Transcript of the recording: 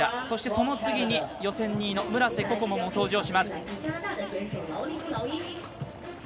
そしてその次に予選２位の村瀬心椛も登場します。